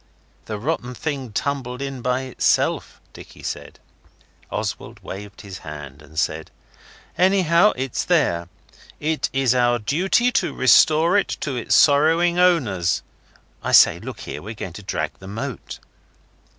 'The rotten thing tumbled in by itself,' Dicky said. Oswald waved his hand and said, 'Anyhow, it's there. It's our duty to restore it to its sorrowing owners. I say, look here we're going to drag the moat.